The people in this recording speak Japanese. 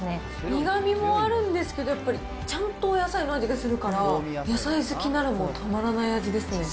苦みもあるんですけど、やっぱりちゃんとお野菜の味がするから、野菜好きならもうたまらない味ですね。